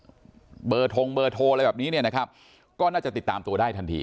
เบอร์ทงเบอร์โทรอะไรแบบนี้เนี่ยนะครับก็น่าจะติดตามตัวได้ทันที